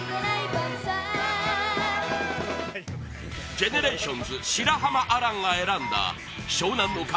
ＧＥＮＥＲＡＴＩＯＮＳ白濱亜嵐が選んだ湘南乃風